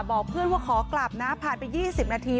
บอกเพื่อนว่าขอกลับนะผ่านไป๒๐นาที